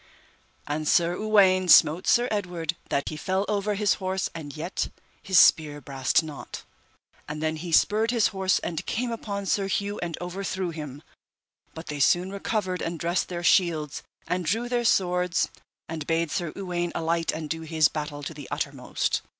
And Sir Uwaine smote Sir Edward that he fell over his horse and yet his spear brast not. And then he spurred his horse and came upon Sir Hue and overthrew him, but they soon recovered and dressed their shields and drew their swords and bade Sir Uwaine alight and do his battle to the uttermost.